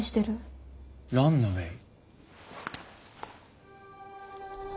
ランナウェイ。